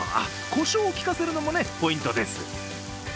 こしょうを効かせるのもポイントです。